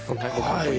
はい。